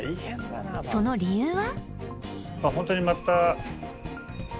その理由は？